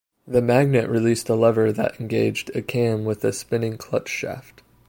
The magnet released a lever that engaged a cam with a spinning clutch shaft.